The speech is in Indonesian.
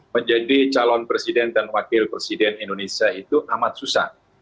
menjadi calon presiden dan wakil presiden indonesia itu amat susah